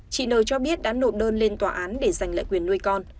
chị nờ cho biết đã nộp đơn lên tòa án để giành lại quyền nuôi con